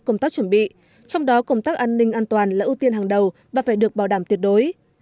công tác chuẩn bị trong đó công tác an ninh an toàn là ưu tiên hàng đầu và phải được bảo đảm tuyệt đối